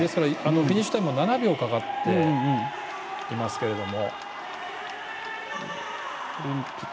フィニッシュタイム７秒かかっていますけども。